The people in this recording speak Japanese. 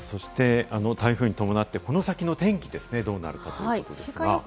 台風に伴ってこの先の天気がどうなるかですが。